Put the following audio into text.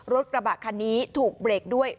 รถกระบะคันนี้ถูกเบรกด้วย